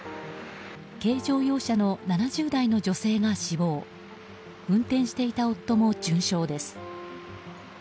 軽乗用車の７０代の女性が死亡運転していた夫も重傷です。